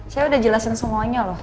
saya udah jelasin semuanya loh